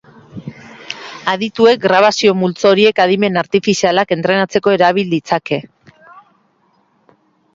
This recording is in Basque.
Adituek grabazio multzo horiek adimen artifizialak entrenatzeko erabil ditzakete.